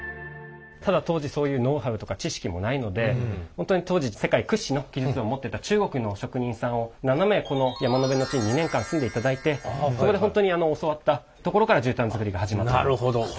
ただ当時そういうノウハウとか知識もないので本当に当時世界屈指の技術を持ってた中国の職人さんを７名この山辺の地に２年間住んでいただいてそこで本当に教わったところから絨毯づくりが始まった。